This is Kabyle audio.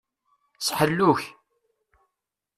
S ḥellu-k.